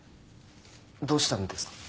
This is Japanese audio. どうしたんですか？